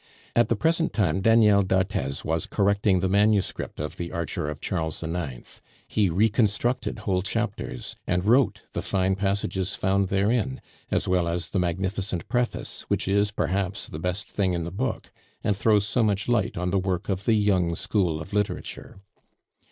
At the present time Daniel d'Arthez was correcting the manuscript of The Archer of Charles IX. He reconstructed whole chapters, and wrote the fine passages found therein, as well as the magnificent preface, which is, perhaps, the best thing in the book, and throws so much light on the work of the young school of literature.